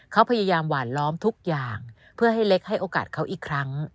เขาพยายามหวานล้อมทุกอย่างเพื่อให้เล็กให้โอกาสเขาอีกครั้ง